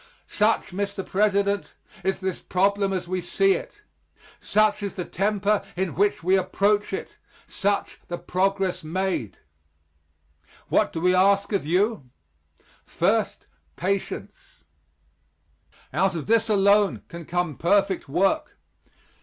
Such, Mr. President, is this problem as we see it, such is the temper in which we approach it, such the progress made. What do we ask of you? First, patience; out of this alone can come perfect work.